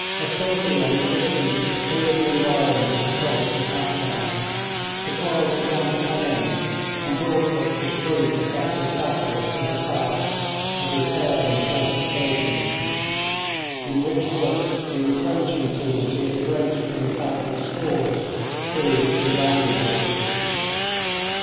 A sortie on the 15th cleared the environs of the troublesome Afghans, supplies began to come in, and Broadfoot was free to set his sappers to the task of repairing the fortifications, in which work the entrenching tools he had wrenched from the Cabul stores proved invaluable.